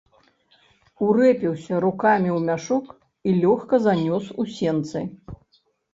Урэпіўся рукамі ў мяшок і лёгка занёс у сенцы.